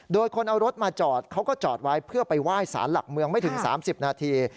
โดยคนเอารถมาจอดเขาก็จอดไว้เพื่อไปไหว้สารหลักเมืองไม่ถึง๓๐นาที